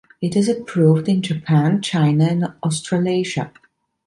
It is approved in Japan, China and Australasia.